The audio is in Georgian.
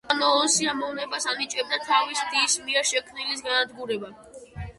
სუსანოოს სიამოვნებას ანიჭებდა თავის დის მიერ შექმნილის განადგურება.